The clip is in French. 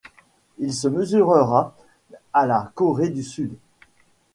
Il se mesurera à la Corée du Sud.